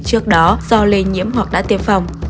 trước đó do lây nhiễm hoặc đã tiêm phòng